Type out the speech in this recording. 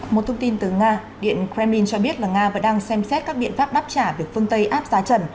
một thông tin từ nga điện kremlin cho biết là nga vẫn đang xem xét các biện pháp đáp trả việc phương tây áp giá trần